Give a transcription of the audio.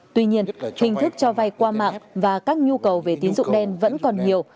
tuy nhiên hình thức cho vay qua mạng và các nhu cầu về tín dụng đen vẫn còn nhiều